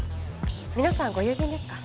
皆さんご友人ですか？